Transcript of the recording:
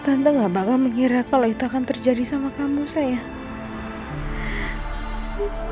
tante gak bakal mengira kalau itu akan terjadi sama kamu saya